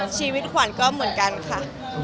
ชีวิตขวัญก็เหมือนกันค่ะ